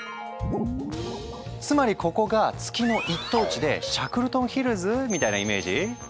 つまりここが月の一等地で「シャックルトン・ヒルズ」みたいなイメージ？